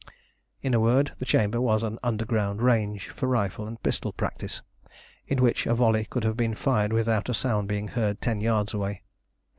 In a word, the chamber was an underground range for rifle and pistol practice, in which a volley could have been fired without a sound being heard ten yards away.